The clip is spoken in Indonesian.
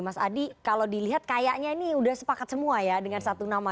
mas adi kalau dilihat kayaknya ini sudah sepakat semua ya dengan satu nama